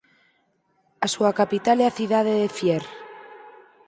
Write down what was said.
A súa capital é a cidade de Fier.